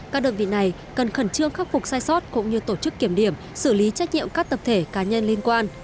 các đơn vị này cần khẩn trương khắc phục sai sót cũng như tổ chức kiểm điểm xử lý trách nhiệm các tập thể cá nhân liên quan